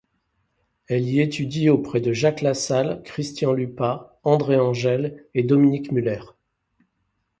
Elle y étudie auprès de Jacques Lassalle, Krystian Lupa, André Engel et Dominique Müller.